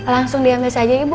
langsung diam aja ibu